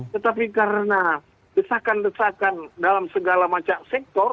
tetapi karena desakan desakan dalam segala macam sektor